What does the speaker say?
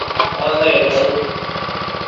阿内龙。